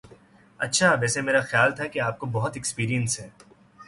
اچھا ویسے میرا خیال تھا کہ آپ کو بہت ایکسپیرینس ہے